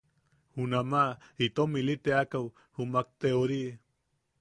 Junama itom ili teakaʼu jumak te ori.